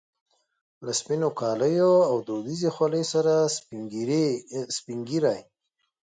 له سپینو کاليو او دودیزې خولۍ سره سپینږیری.